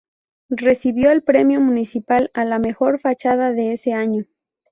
Recibió el Premio Municipal a la Mejor Fachada de ese año.